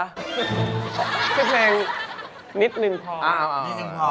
เป็นเพลงนิดนึงพอ